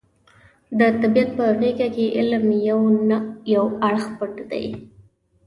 د طبیعت په غېږه کې علم یو نه یو اړخ پټ دی.